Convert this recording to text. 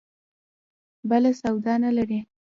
بله سودا نه لري.